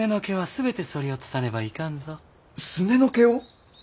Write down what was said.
すねの毛を！？